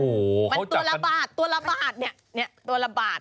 โอ้โหมันตัวละบาทเนี่ยตัวละบาท